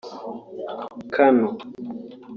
Kanno